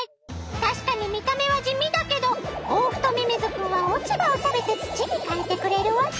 確かに見た目は地味だけどオオフトミミズくんは落ち葉を食べて土に変えてくれるわけ。